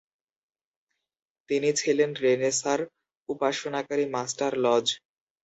তিনি ছিলেন "রেনেসাঁ"র উপাসনাকারী master lodge.